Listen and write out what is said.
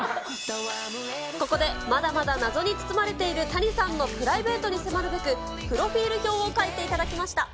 ここで、まだまだ謎に包まれているタニさんのプライベートに迫るべく、プロフィール表を書いていただきました。